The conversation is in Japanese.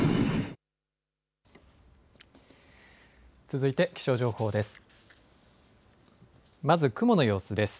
続いて気象情報です。